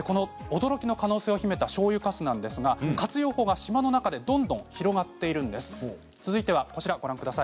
驚きの可能性を秘めたしょうゆかすなんですが活用法が島の中でどんどん広がっています。